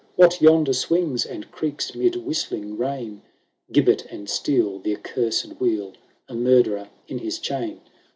What yonder swings And creaks 'mid whistling rain ?"" Gibbet and steel, the accursed wheel ; A murderer in his chain.